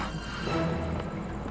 kamu baik baik aja kan